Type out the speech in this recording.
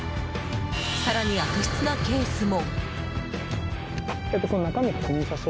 更に、悪質なケースも。